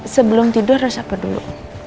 sebelum tidur harus apa dulu